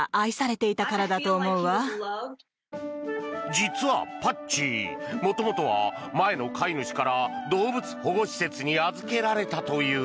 実はパッチ元々は前の飼い主から動物保護施設に預けられたという。